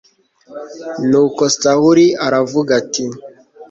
nuko sawuli aravuga ati